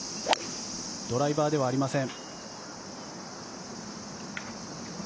ドライバーではありません。